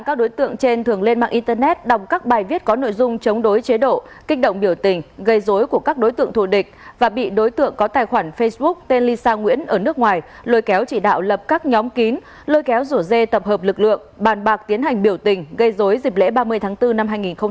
các đối tượng trên thường lên mạng internet đọc các bài viết có nội dung chống đối chế độ kích động biểu tình gây dối của các đối tượng thù địch và bị đối tượng có tài khoản facebook tên lisa nguyễn ở nước ngoài lôi kéo chỉ đạo lập các nhóm kín lôi kéo rổ dê tập hợp lực lượng bàn bạc tiến hành biểu tình gây dối dịp lễ ba mươi tháng bốn năm hai nghìn hai mươi